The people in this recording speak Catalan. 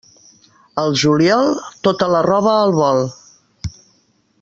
Al juliol, tota la roba al vol.